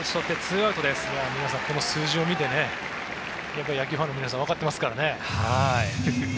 皆さん、この数字を見て野球ファンの皆さんわかってますからね。